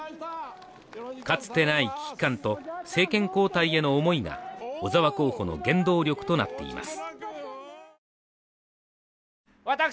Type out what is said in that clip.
かつてない危機感と政権交代への思いが小沢候補の原動力となっています